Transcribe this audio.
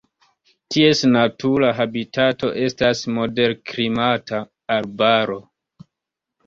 Ties natura habitato estas moderklimata arbaro.